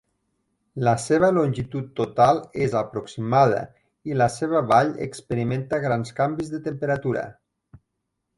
La seva longitud total és aproximada i la seva vall experimenta grans canvis de temperatura.